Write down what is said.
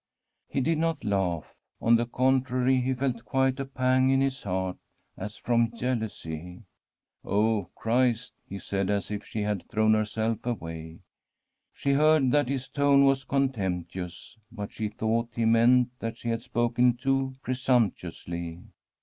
He did not laugh. On the contrary, he felt quite a pang in his heart, as from jealousy. ' Oh, Christ I ' he said, as if she had thrown her self away. She heard that his tone was contemptuous, but she thought he meant that she had spoken too presumptuously.